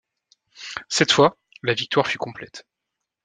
Cette fois, la victoire fut complète.